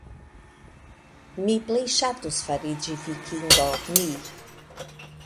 Mi plej ŝatus fariĝi vikingo, mi.